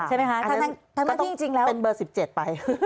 อันนั้นก็ต้องเป็นเบอร์๑๗ไป